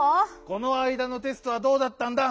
このあいだのテストはどうだったんだ？